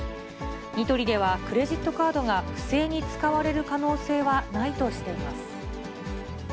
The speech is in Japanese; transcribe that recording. ニトリでは、クレジットカードが不正に使われる可能性はないとしています。